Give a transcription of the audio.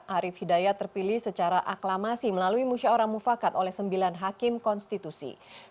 arif hidayat terpilih secara aklamasi melalui musya'oramufakat oleh sembilan hakim konstitusi